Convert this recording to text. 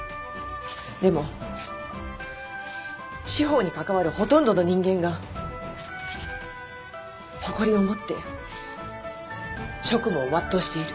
でも司法に関わるほとんどの人間が誇りを持って職務を全うしている。